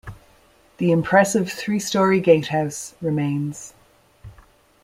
The impressive three storey gatehouse remains.